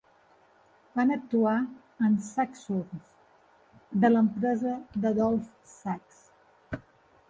Van actuar en Saxhorns, de l'empresa d'Adolph Sax.